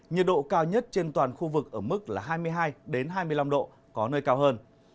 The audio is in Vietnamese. nhiệt độ cao nhất trên toàn khu vực ở mức hai mươi hai hai mươi năm độ có nơi cao hơn